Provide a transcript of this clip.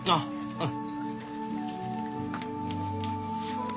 うん。